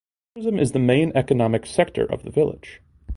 Tourism is the main economic sector of the village.